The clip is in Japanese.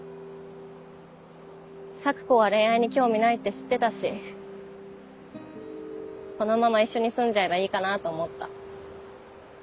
咲子は恋愛に興味ないって知ってたしこのまま一緒に住んじゃえばいいかなと思った。